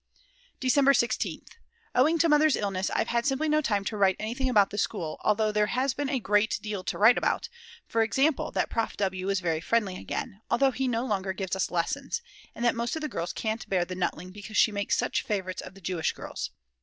December 16th. Owing to Mother's illness I've had simply no time to write anything about the school, although there has been a great deal to write about, for example that Prof. W. is very friendly again, although he no longer gives us lessons, and that most of the girls can't bear the Nutling because she makes such favourites of the Jewish girls.